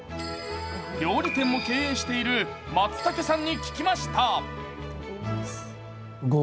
料理店も経営しているまつたけさんに聞きました。